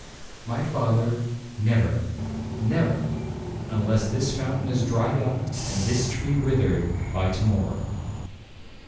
'My father, never, never,—unless this fountain is dried up, and this tree withered, by to morrow.'